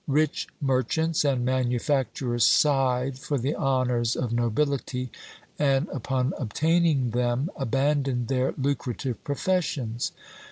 Rich merchants and manufacturers sighed for the honors of nobility, and upon obtaining them, abandoned their lucrative professions.